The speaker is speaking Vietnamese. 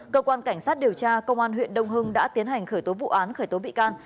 cơ quan cảnh sát điều tra công an huyện đông hưng đã tiến hành khởi tố vụ án khởi tố bị can